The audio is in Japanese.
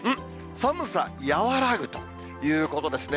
寒さ和らぐということですね。